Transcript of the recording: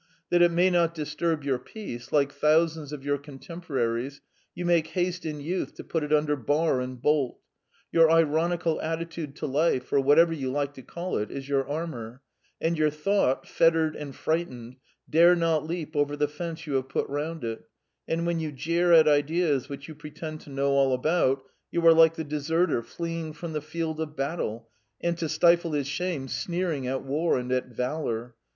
That it may not disturb your peace, like thousands of your contemporaries, you made haste in youth to put it under bar and bolt. Your ironical attitude to life, or whatever you like to call it, is your armour; and your thought, fettered and frightened, dare not leap over the fence you have put round it; and when you jeer at ideas which you pretend to know all about, you are like the deserter fleeing from the field of battle, and, to stifle his shame, sneering at war and at valour.